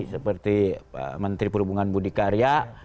seperti menteri perhubungan budi karya